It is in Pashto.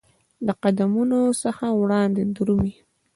د قدمونو څخه وړاندي درومې